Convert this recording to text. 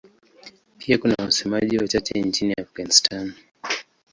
Pia kuna wasemaji wachache nchini Afghanistan.